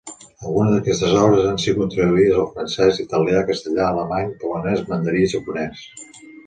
Algunes d'aquestes obres han sigut traduïdes al francès, italià, castellà, alemany, polonès, mandarí i japonès.